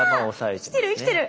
いや生きてる生きてる！